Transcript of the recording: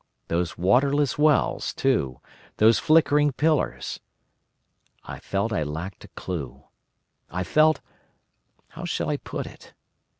Those waterless wells, too, those flickering pillars. I felt I lacked a clue. I felt—how shall I put it?